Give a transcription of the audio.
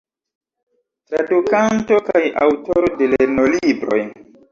Tradukanto kaj aŭtoro de lernolibroj.